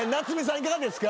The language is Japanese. いかがですか？